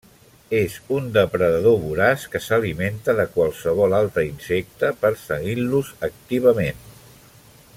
És un depredador voraç que s'alimenta de qualsevol altre insecte, perseguint-los activament.